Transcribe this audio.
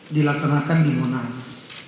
dilaksanakan di monas